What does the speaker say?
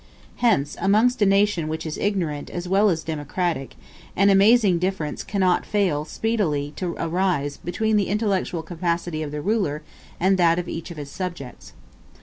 Hence, amongst a nation which is ignorant as well as democratic, an amazing difference cannot fail speedily to arise between the intellectual capacity of the ruler and that of each of his subjects.